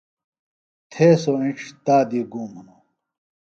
تھے سوۡ اِنڇ تا دی گُوم ہِنوۡ